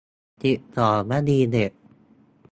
สิบสอง วลีเด็ด